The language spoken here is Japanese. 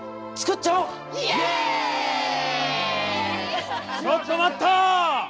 ちょっと待った！